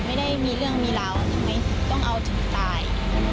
ไม่ได้มีเรื่องมีราวทำไมถึงต้องเอาถึงตาย